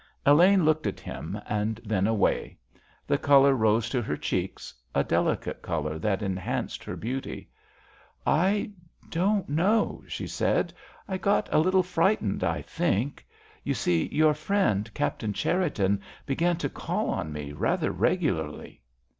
Elaine looked at him, and then away. The colour rose to her cheeks, a delicate colour that enhanced her beauty. "I don't know," she said. "I got a little frightened, I think. You see, your friend, Captain Cherriton, began to call on me rather regularly."